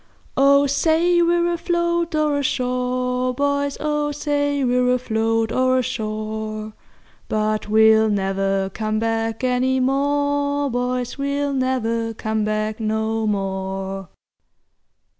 Oh say we're afloat or ashore, boys, Oh say we're afloat or ashore; But we'll never come back any more, boys, We'll never come back no more!"